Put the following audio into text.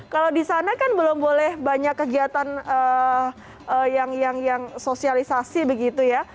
kalau di sana kan belum boleh banyak kegiatan yang sosialisasi begitu ya